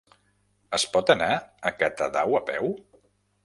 Es pot anar a Catadau a peu?